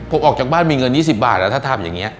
ผมออกจากบ้านมีเงิน๒๐บาทแล้วถ้าทำอย่างนี้